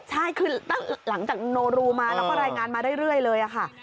ใช่คือหลังจากโนรูมาแล้วก็รายงานมาเรื่อยเลยค่ะ